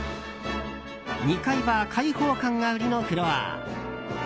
２階は開放感が売りのフロア。